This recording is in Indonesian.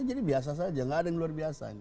jadi biasa saja enggak ada yang luar biasa